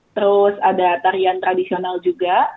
terus ada tarian tradisional juga